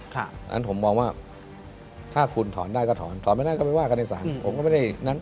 เพราะฉะนั้นผมมองว่าถ้าคุณถอนได้ก็ถอนถอนไม่ได้ก็ไปว่ากันในศาลผมก็ไม่ได้นั้น